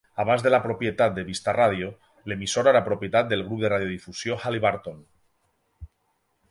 Abans de la propietat de Vista Radio, l'emissora era propietat del grup de radiodifusió Haliburton.